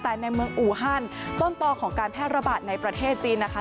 แต่ในเมืองอูฮันต้นต่อของการแพร่ระบาดในประเทศจีนนะคะ